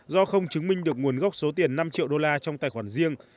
do không chứng minh được nguồn gốc số tiền năm triệu đô la trong tài khoản riêng